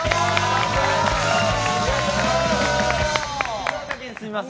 福岡県の住みます